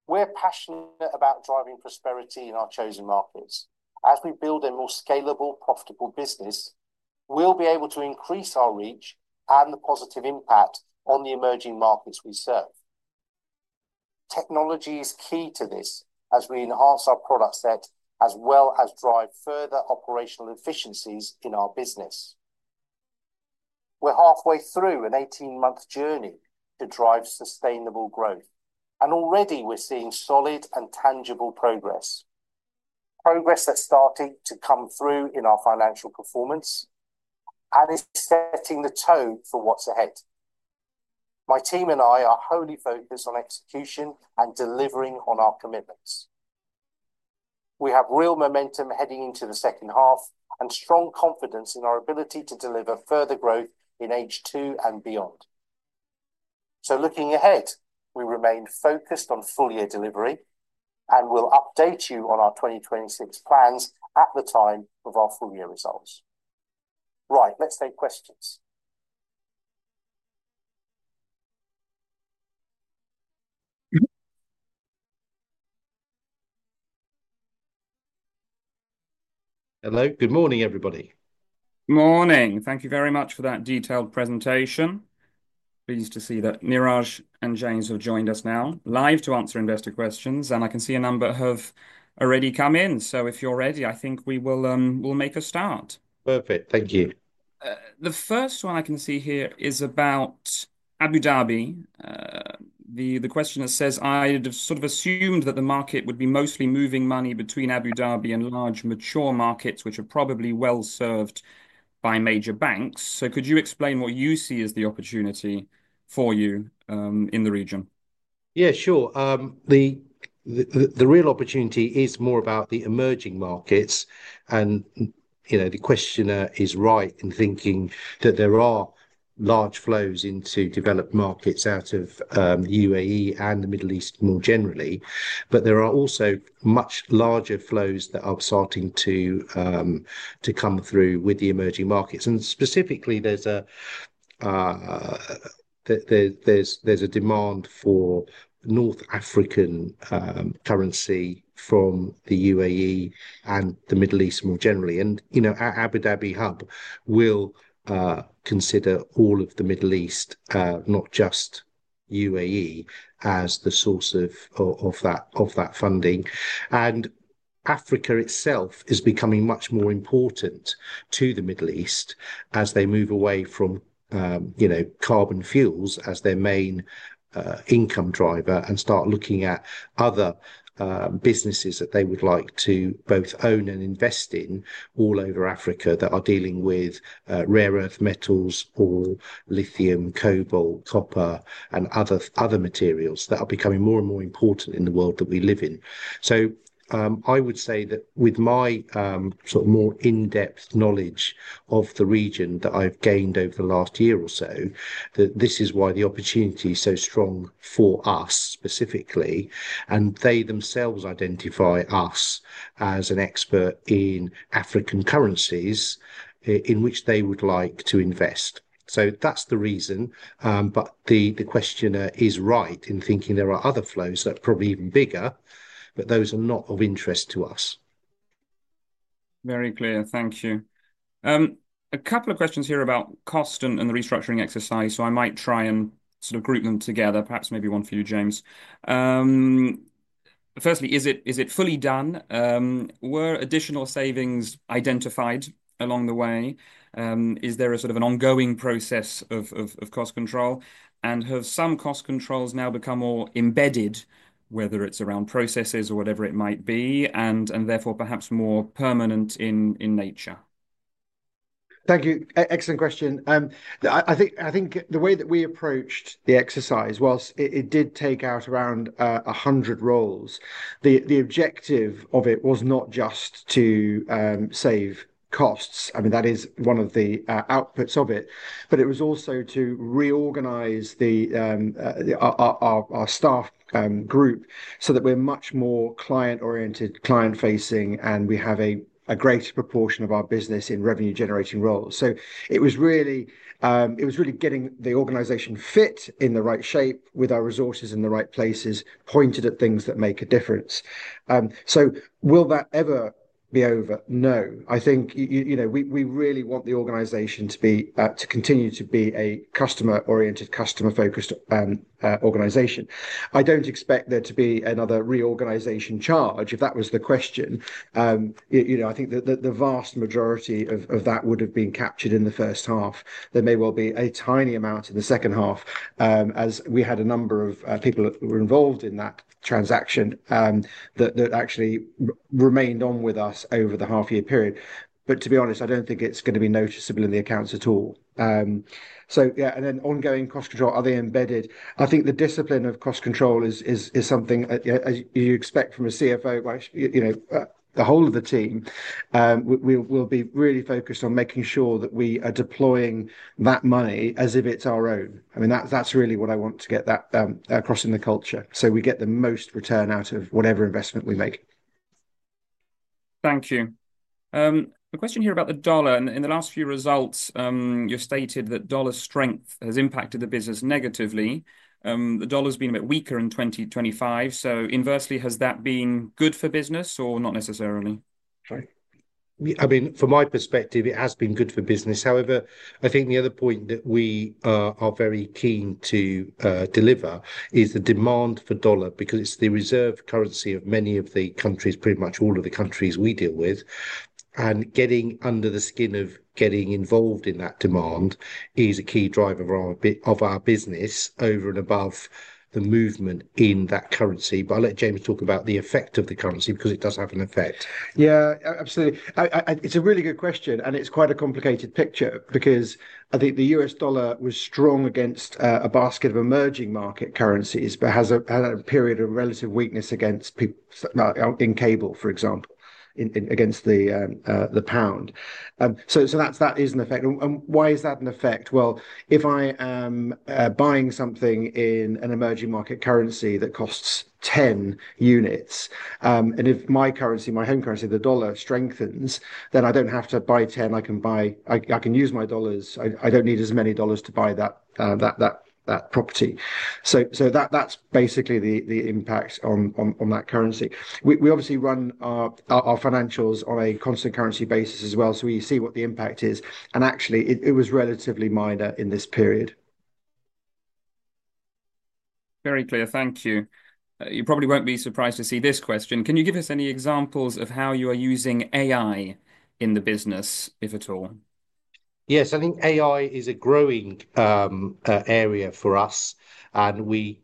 [SPEAKER 2] We're passionate about driving prosperity in our chosen markets. As we build a more scalable, profitable business, we'll be able to increase our reach and the positive impact on the emerging markets we serve. Technology is key to this as we enhance our product set, as well as drive further operational efficiencies in our business. We're halfway through an 18-month journey to drive sustainable growth, and already we're seeing solid and tangible progress. Progress is starting to come through in our financial performance, and it's setting the tone for what's ahead. My team and I are wholly focused on execution and delivering on our commitments. We have real momentum heading into the second half and strong confidence in our ability to deliver further growth in H2 and beyond. Looking ahead, we remain focused on full-year delivery, and we'll update you on our 2026 plans at the time of our full-year results. Right, let's take questions.
[SPEAKER 3] Hello, good morning everybody.
[SPEAKER 1] Morning, thank you very much for that detailed presentation. Pleased to see that Neeraj and James have joined us now live to answer investor questions, and I can see a number have already come in. If you're ready, I think we will make a start.
[SPEAKER 3] Perfect, thank you.
[SPEAKER 1] The first one I can see here is about Abu Dhabi. The questioner says I'd have sort of assumed that the market would be mostly moving money between Abu Dhabi and large mature markets, which are probably well served by major banks. Could you explain what you see as the opportunity for you in the region?
[SPEAKER 3] Yeah, sure. The real opportunity is more about the emerging markets, and the questioner is right in thinking that there are large flows into developed markets out of UAE and the Middle East more generally, but there are also much larger flows that are starting to come through with the emerging markets. Specifically, there's a demand for North African currency from the UAE and the Middle East more generally. The Abu Dhabi hub will consider all of the Middle East, not just UAE, as the source of that funding. Africa itself is becoming much more important to the Middle East as they move away from carbon fuels as their main income driver and start looking at other businesses that they would like to both own and invest in all over Africa that are dealing with rare earth metals or lithium, cobalt, copper, and other materials that are becoming more and more important in the world that we live in. I would say that with my sort of more in-depth knowledge of the region that I've gained over the last year or so, this is why the opportunity is so strong for us specifically, and they themselves identify us as an expert in African currencies in which they would like to invest. That's the reason, but the questioner is right in thinking there are other flows that are probably even bigger, but those are not of interest to us.
[SPEAKER 1] Very clear, thank you. A couple of questions here about cost and the restructuring exercise, so I might try and sort of group them together, perhaps maybe one for you, James. Firstly, is it fully done? Were additional savings identified along the way? Is there a sort of an ongoing process of cost control, and have some cost controls now become more embedded, whether it's around processes or whatever it might be, and therefore perhaps more permanent in nature?
[SPEAKER 3] Thank you, excellent question. I think the way that we approached the exercise, whilst it did take out around 100 roles, the objective of it was not just to save costs. I mean, that is one of the outputs of it, but it was also to reorganize our staff group so that we're much more client-oriented, client-facing, and we have a greater proportion of our business in revenue-generating roles. It was really getting the organization fit in the right shape with our resources in the right places, pointed at things that make a difference. Will that ever be over? No, I think you know we really want the organization to continue to be a customer-oriented, customer-focused organization. I don't expect there to be another reorganization charge, if that was the question. I think that the vast majority of that would have been captured in the first half. There may well be a tiny amount in the second half, as we had a number of people who were involved in that transaction that actually remained on with us over the half-year period. To be honest, I don't think it's going to be noticeable in the accounts at all. Ongoing cost control, are they embedded? I think the discipline of cost control is something, as you'd expect from a CFO, the whole of the team, we'll be really focused on making sure that we are deploying that money as if it's our own. I mean, that's really what I want to get that across in the culture, so we get the most return out of whatever investment we make.
[SPEAKER 1] Thank you. A question here about the dollar, and in the last few results, you've stated that dollar strength has impacted the business negatively. The dollar's been a bit weaker in 2025, so inversely, has that been good for business or not necessarily?
[SPEAKER 2] I mean, from my perspective, it has been good for business. However, I think the other point that we are very keen to deliver is the demand for dollar because it's the reserve currency of many of the countries, pretty much all of the countries we deal with. Getting under the skin of getting involved in that demand is a key driver of our business over and above the movement in that currency. I'll let James talk about the effect of the currency because it does have an effect. Yeah, absolutely. It's a really good question, and it's quite a complicated picture because I think the U.S. dollar was strong against a basket of emerging market currencies, but has had a period of relative weakness against people in cable, for example, against the pound. That is an effect. Why is that an effect? If I am buying something in an emerging market currency that costs 10 units, and if my currency, my home currency, the dollar, strengthens, then I don't have to buy 10. I can buy, I can use my dollars. I don't need as many dollars to buy that property. That's basically the impact on that currency. We obviously run our financials on a constant currency basis as well, so we see what the impact is, and actually, it was relatively minor in this period.
[SPEAKER 1] Very clear, thank you. You probably won't be surprised to see this question. Can you give us any examples of how you are using AI in the business, if at all?
[SPEAKER 2] Yes, I think AI is a growing area for us, and we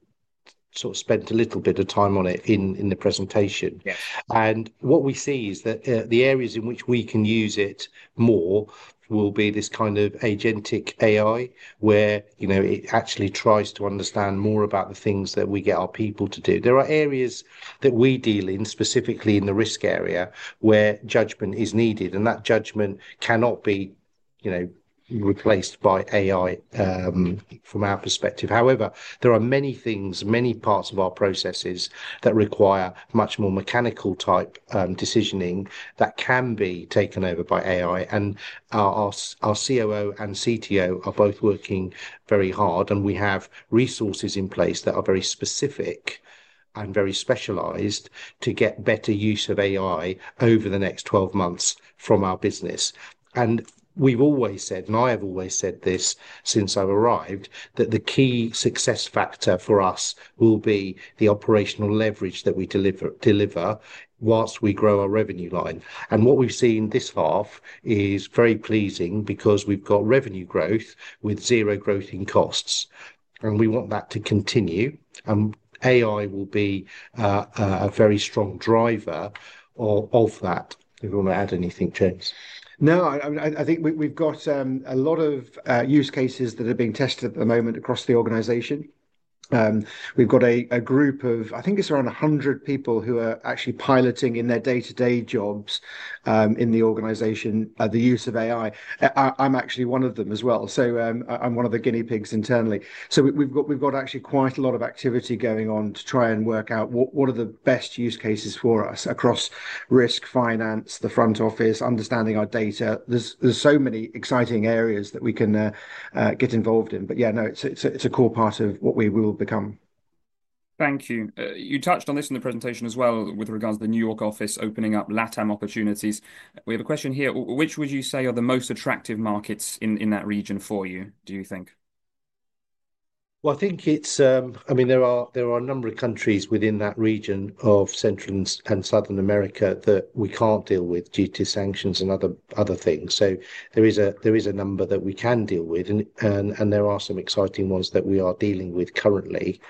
[SPEAKER 2] sort of spent a little bit of time on it in the presentation. What we see is that the areas in which we can use it more will be this kind of agentic AI where it actually tries to understand more about the things that we get our people to do. There are areas that we deal in, specifically in the risk area, where judgment is needed, and that judgment cannot be replaced by AI from our perspective. However, there are many things, many parts of our processes that require much more mechanical type decisioning that can be taken over by AI, and our COO and CTO are both working very hard, and we have resources in place that are very specific and very specialized to get better use of AI over the next 12 months from our business. I've always said this since I've arrived, that the key success factor for us will be the operational leverage that we deliver whilst we grow our revenue line. What we've seen this half is very pleasing because we've got revenue growth with zero growth in costs, and we want that to continue, and AI will be a very strong driver of that. Do you want to add anything to?
[SPEAKER 1] No, I think we've got a lot of use cases that are being tested at the moment across the organization. We've got a group of, I think it's around 100 people who are actually piloting in their day-to-day jobs in the organization, the use of AI. I'm actually one of them as well, so I'm one of the guinea pigs internally. We've got actually quite a lot of activity going on to try and work out what are the best use cases for us across risk, finance, the front office, understanding our data. There are so many exciting areas that we can get involved in, but yeah, no, it's a core part of what we will become. Thank you. You touched on this in the presentation as well with regards to the New York office opening up LATAM opportunities. We have a question here. Which would you say are the most attractive markets in that region for you, do you think?
[SPEAKER 2] I think it's, I mean, there are a number of countries within that region of Central and Southern America that we can't deal with due to sanctions and other things. There is a number that we can deal with, and there are some exciting ones that we are dealing with currently,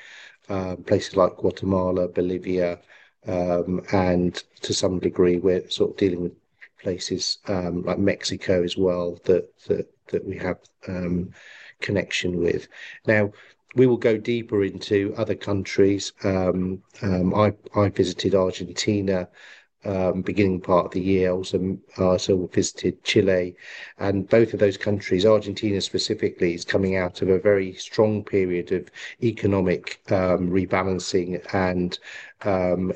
[SPEAKER 2] places like Guatemala, Bolivia, and to some degree, we're sort of dealing with places like Mexico as well that we have connection with. Now, we will go deeper into other countries. I visited Argentina beginning part of the year. I also visited Chile, and both of those countries, Argentina specifically, is coming out of a very strong period of economic rebalancing, and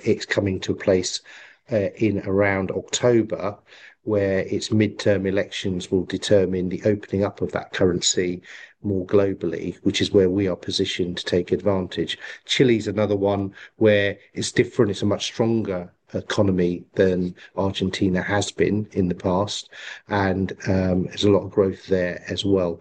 [SPEAKER 2] it's coming to a place in around October where its midterm elections will determine the opening up of that currency more globally, which is where we are positioned to take advantage. Chile is another one where it's different. It's a much stronger economy than Argentina has been in the past, and there's a lot of growth there as well.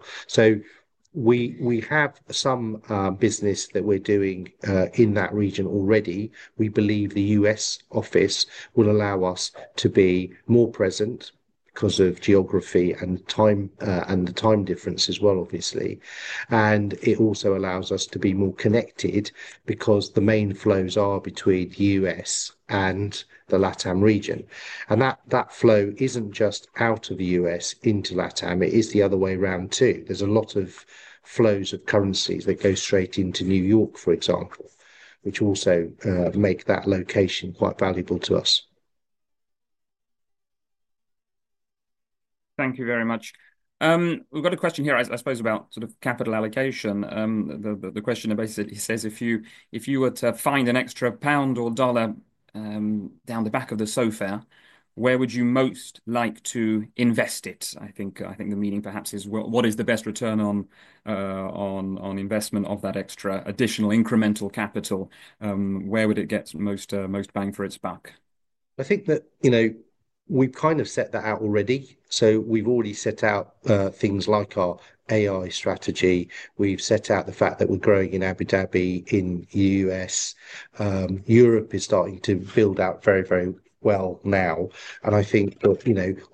[SPEAKER 2] We have some business that we're doing in that region already. We believe the U.S. office will allow us to be more present because of geography and time difference as well, obviously. It also allows us to be more connected because the main flows are between the U.S. and the LATAM region. That flow isn't just out of the U.S. into LATAM. It is the other way around too. There's a lot of flows of currencies that go straight into New York, for example, which also make that location quite valuable to us.
[SPEAKER 1] Thank you very much. We've got a question here, I suppose, about sort of capital allocation. The questioner basically says, "If you were to find an extra pound or dollar down the back of the sofa, where would you most like to invest it?" I think the meaning perhaps is, what is the best return on investment of that extra additional incremental capital? Where would it get most bang for its buck?
[SPEAKER 2] I think that we've kind of set that out already. We've already set out things like our AI strategy. We've set out the fact that we're growing in Abu Dhabi, in the U.S. Europe is starting to build out very, very well now. I think, look,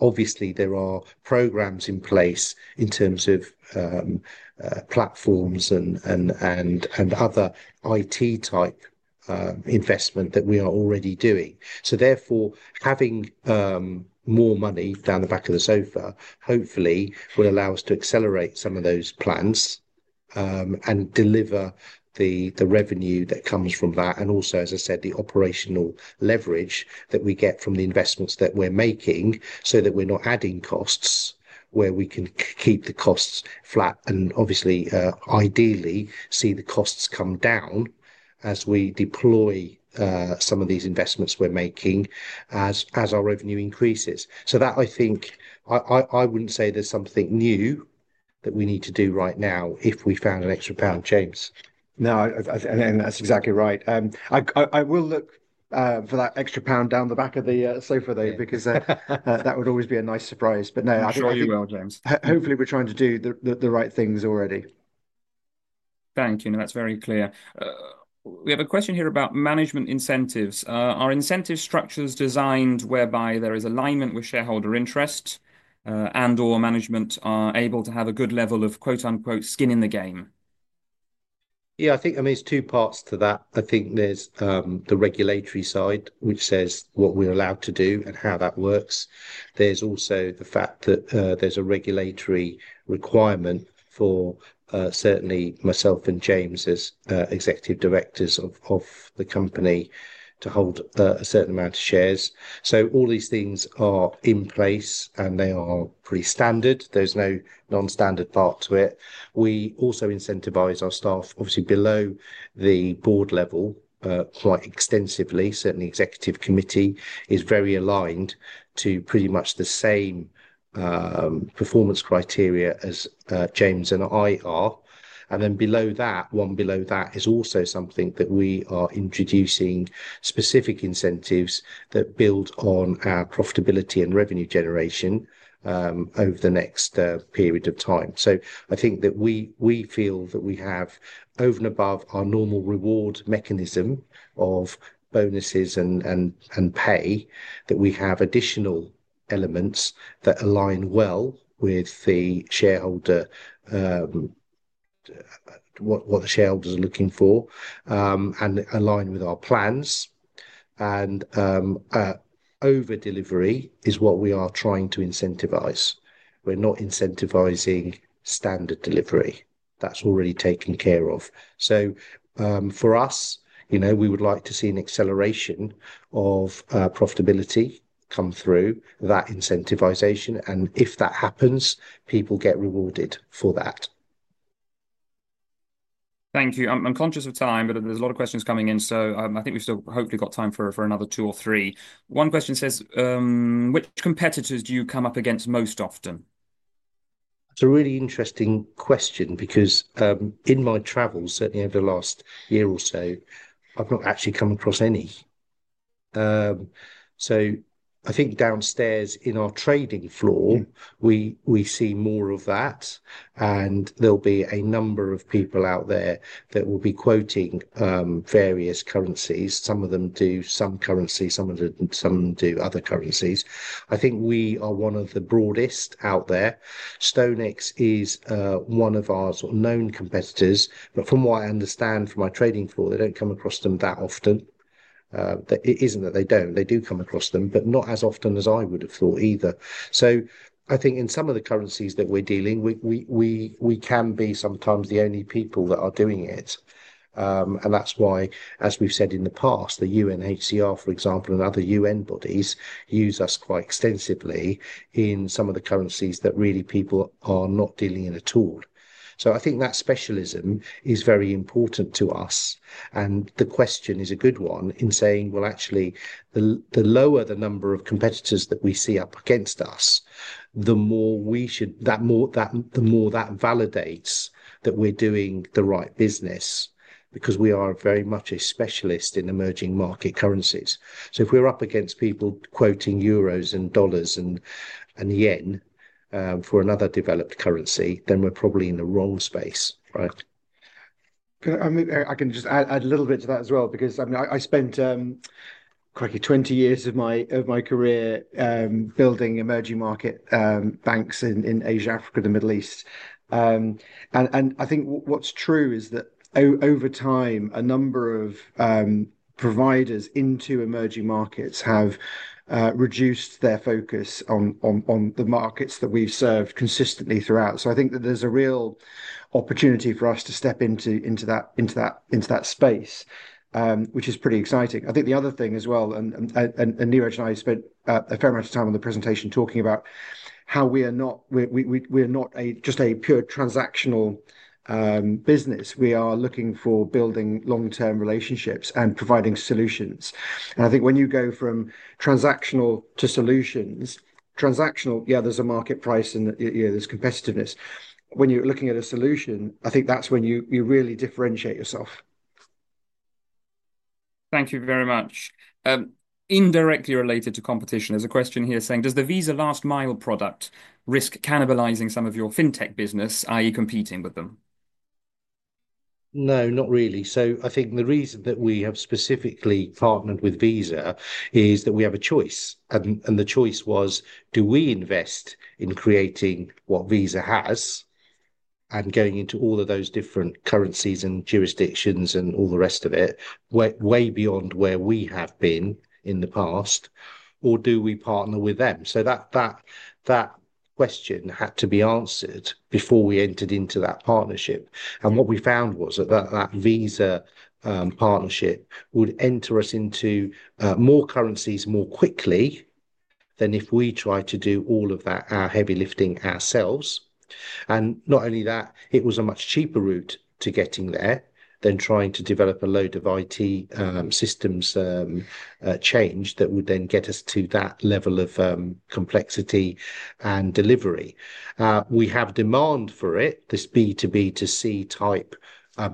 [SPEAKER 2] obviously there are programs in place in terms of platforms and other IT-type investment that we are already doing. Therefore, having more money down the back of the sofa hopefully will allow us to accelerate some of those plans and deliver the revenue that comes from that. Also, as I said, the operational leverage that we get from the investments that we're making means we're not adding costs where we can keep the costs flat and ideally see the costs come down as we deploy some of these investments we're making as our revenue increases. I think I wouldn't say there's something new that we need to do right now if we found an extra pound, James.
[SPEAKER 1] No, and that's exactly right. I will look for that extra pound down the back of the sofa though because that would always be a nice surprise. No, I think hopefully we're trying to do the right things already. Thank you. No, that's very clear. We have a question here about management incentives. Are incentive structures designed whereby there is alignment with shareholder interest and/or management are able to have a good level of, quote unquote, "skin in the game"?
[SPEAKER 2] Yeah, I think there's two parts to that. I think there's the regulatory side which says what we're allowed to do and how that works. There's also the fact that there's a regulatory requirement for certainly myself and James as Executive Directors of the company to hold a certain amount of shares. All these things are in place and they are pretty standard. There's no non-standard part to it. We also incentivize our staff obviously below the board level quite extensively. Certainly, the Executive Committee is very aligned to pretty much the same performance criteria as James and I are. One below that is also something that we are introducing, specific incentives that build on our profitability and revenue generation over the next period of time. I think that we feel that we have over and above our normal reward mechanism of bonuses and pay, that we have additional elements that align well with what the shareholders are looking for and align with our plans. Over-delivery is what we are trying to incentivize. We're not incentivizing standard delivery. That's already taken care of. For us, you know we would like to see an acceleration of profitability come through that incentivization. If that happens, people get rewarded for that.
[SPEAKER 1] Thank you. I'm conscious of time, but there's a lot of questions coming in, so I think we've still hopefully got time for another two or three. One question says, "Which competitors do you come up against most often?
[SPEAKER 2] It's a really interesting question because in my travels, certainly over the last year or so, I've not actually come across any. I think downstairs in our trading floor, we see more of that, and there'll be a number of people out there that will be quoting various currencies. Some of them do some currency, some of them do other currencies. I think we are one of the broadest out there. Stonex is one of our sort of known competitors, but from what I understand from my trading floor, they don't come across them that often. It isn't that they don't, they do come across them, but not as often as I would have thought either. In some of the currencies that we're dealing, we can be sometimes the only people that are doing it. That's why, as we've said in the past, the UNHCR, for example, and other UN bodies use us quite extensively in some of the currencies that really people are not dealing in at all. I think that specialism is very important to us, and the question is a good one in saying, actually, the lower the number of competitors that we see up against us, the more we should, the more that validates that we're doing the right business because we are very much a specialist in emerging market currencies. If we're up against people quoting euros and dollars and yen for another developed currency, then we're probably in the wrong space.
[SPEAKER 3] I can just add a little bit to that as well because I mean, I spent 20 years of my career building emerging market banks in Asia, Africa, the Middle East. I think what's true is that over time, a number of providers into emerging markets have reduced their focus on the markets that we've served consistently throughout. I think that there's a real opportunity for us to step into that space, which is pretty exciting. I think the other thing as well, and Neeraj and I spent a fair amount of time on the presentation talking about how we are not just a pure transactional business. We are looking for building long-term relationships and providing solutions. I think when you go from transactional to solutions, transactional, yeah, there's a market price and there's competitiveness. When you're looking at a solution, I think that's when you really differentiate yourself.
[SPEAKER 1] Thank you very much. Indirectly related to competition, there's a question here saying, "Does the Visa last mile product risk cannibalizing some of your fintech business? Are you competing with them?
[SPEAKER 2] No, not really. I think the reason that we have specifically partnered with Visa is that we have a choice, and the choice was, do we invest in creating what Visa has and going into all of those different currencies and jurisdictions and all the rest of it, way beyond where we have been in the past, or do we partner with them? That question had to be answered before we entered into that partnership. What we found was that that Visa partnership would enter us into more currencies more quickly than if we tried to do all of that heavy lifting ourselves. Not only that, it was a much cheaper route to getting there than trying to develop a load of IT systems change that would then get us to that level of complexity and delivery. We have demand for it, this B2B2C type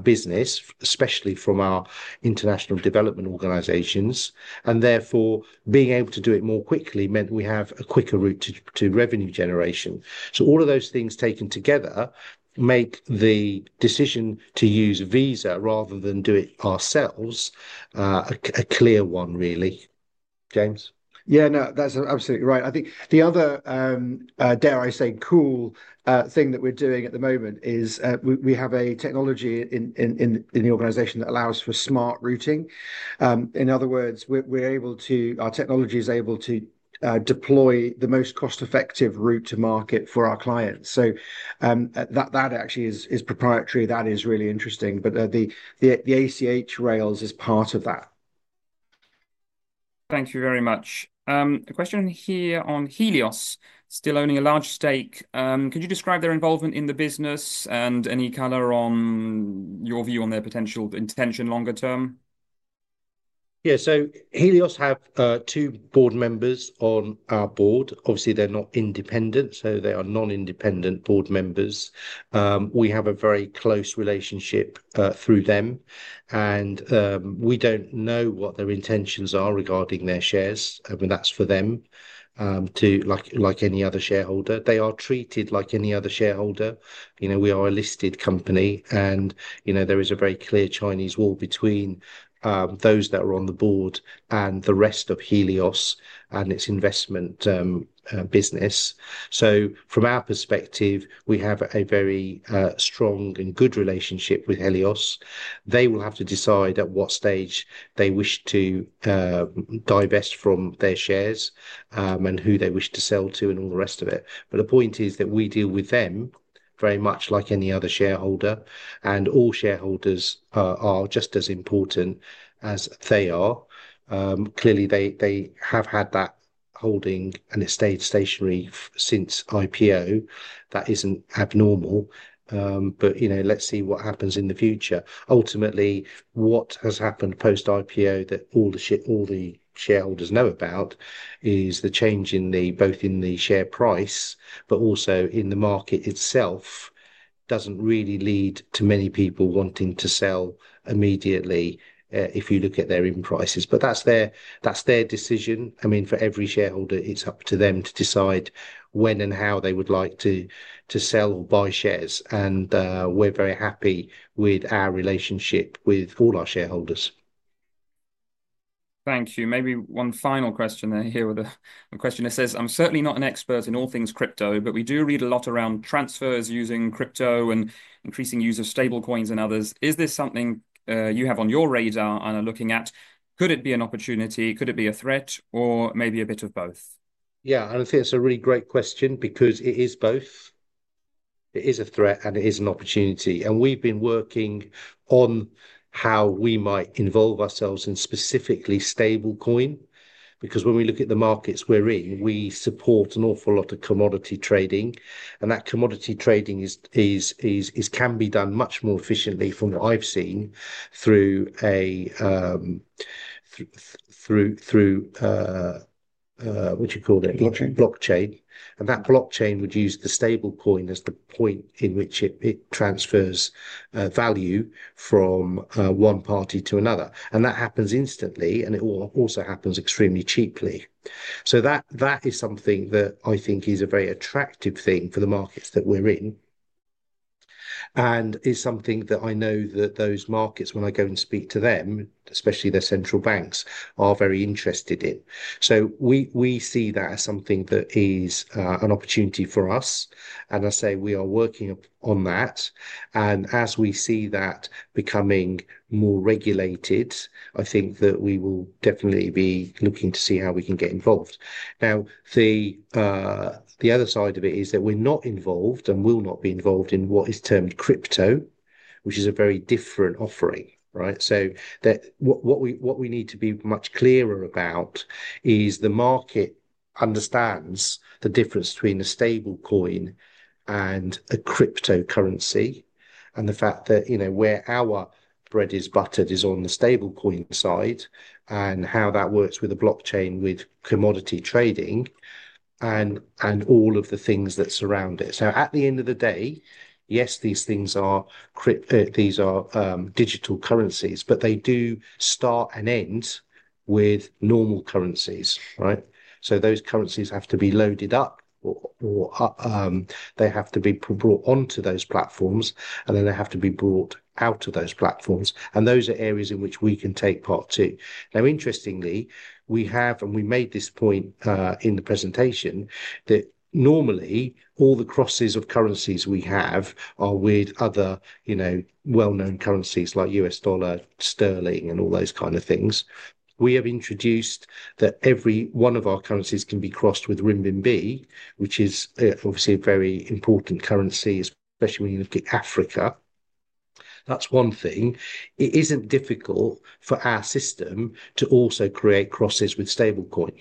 [SPEAKER 2] business, especially from our international development organizations, and therefore being able to do it more quickly meant we have a quicker route to revenue generation. All of those things taken together make the decision to use Visa rather than do it ourselves a clear one, really. James?
[SPEAKER 1] Yeah, no, that's absolutely right. I think the other, dare I say, cool thing that we're doing at the moment is we have a technology in the organization that allows for smart routing. In other words, our technology is able to deploy the most cost-effective route to market for our clients. That actually is proprietary. That is really interesting. The ACH rails are part of that. Thank you very much. A question here on Helios, still owning a large stake. Could you describe their involvement in the business and any color on your view on their potential intention longer term?
[SPEAKER 2] Yeah, so Helios have two board members on our board. Obviously, they're not independent, so they are non-independent board members. We have a very close relationship through them, and we don't know what their intentions are regarding their shares. I mean, that's for them, like any other shareholder. They are treated like any other shareholder. You know, we are a listed company, and you know there is a very clear Chinese wall between those that are on the board and the rest of Helios and its investment business. From our perspective, we have a very strong and good relationship with Helios. They will have to decide at what stage they wish to divest from their shares and who they wish to sell to and all the rest of it. The point is that we deal with them very much like any other shareholder, and all shareholders are just as important as they are. Clearly, they have had that holding and stayed stationary since IPO. That isn't abnormal, but you know let's see what happens in the future. Ultimately, what has happened post-IPO that all the shareholders know about is the change in both in the share price, but also in the market itself doesn't really lead to many people wanting to sell immediately if you look at their in-prices. That's their decision. I mean, for every shareholder, it's up to them to decide when and how they would like to sell or buy shares, and we're very happy with our relationship with all our shareholders.
[SPEAKER 1] Thank you. Maybe one final question here with a question that says, "I'm certainly not an expert in all things crypto, but we do read a lot around transfers using crypto and increasing use of stablecoins and others. Is this something you have on your radar and are looking at? Could it be an opportunity? Could it be a threat or maybe a bit of both?
[SPEAKER 2] Yeah, I think it's a really great question because it is both. It is a threat and it is an opportunity. We've been working on how we might involve ourselves in specifically stablecoin because when we look at the markets we're in, we support an awful lot of commodity trading. That commodity trading can be done much more efficiently from what I've seen through, what do you call it?
[SPEAKER 1] Blockchain.
[SPEAKER 2] Blockchain. That blockchain would use the stablecoin as the point in which it transfers value from one party to another. That happens instantly, and it also happens extremely cheaply. That is something that I think is a very attractive thing for the markets that we're in and is something that I know that those markets, when I go and speak to them, especially their central banks, are very interested in. We see that as something that is an opportunity for us. I say we are working on that. As we see that becoming more regulated, I think that we will definitely be looking to see how we can get involved. The other side of it is that we're not involved and will not be involved in what is termed crypto, which is a very different offering. What we need to be much clearer about is the market understands the difference between a stablecoin and a cryptocurrency and the fact that, you know, where our bread is buttered is on the stablecoin side and how that works with a blockchain with commodity trading and all of the things that surround it. At the end of the day, yes, these things are, these are digital currencies, but they do start and end with normal currencies. Those currencies have to be loaded up or they have to be brought onto those platforms, and then they have to be brought out of those platforms. Those are areas in which we can take part too. Interestingly, we have, and we made this point in the presentation, that normally all the crosses of currencies we have are with other, you know, well-known currencies like US dollar, sterling, and all those kinds of things. We have introduced that every one of our currencies can be crossed with RMB, which is obviously a very important currency, especially when you look at Africa. That's one thing. It isn't difficult for our system to also create crosses with stablecoins.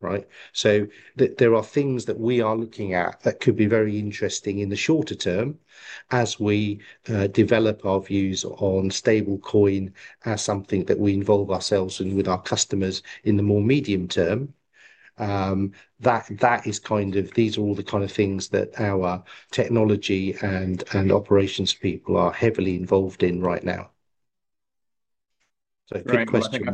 [SPEAKER 1] Right? So. are things that we are looking at that could be very interesting in the shorter term as we develop our views on stablecoin as something that we involve ourselves in with our customers in the more medium term. That is kind of, these are all the kind of things that our technology and operations people are heavily involved in right now.
[SPEAKER 2] Great question. I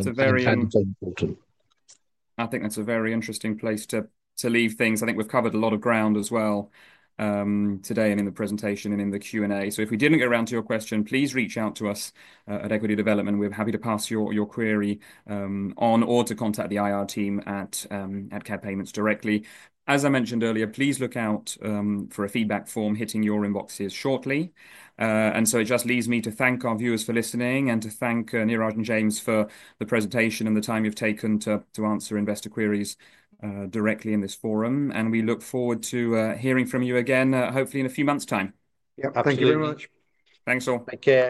[SPEAKER 2] think that's a very interesting place to leave things. I think we've covered a lot of ground as well today in the presentation and in the Q&A. If we didn't get around to your question, please reach out to us at Equity Development. We're happy to pass your query on or to contact the IR team at CAB Payments Holdings PLC directly. As I mentioned earlier, please look out for a feedback form hitting your inboxes shortly. It just leaves me to thank our viewers for listening and to thank Neeraj and James for the presentation and the time you've taken to answer investor queries directly in this forum. We look forward to hearing from you again hopefully in a few months' time.
[SPEAKER 3] Thank you very much.
[SPEAKER 1] Thanks all.
[SPEAKER 2] Take care.